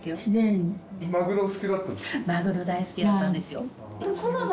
マグロお好きだったんですか？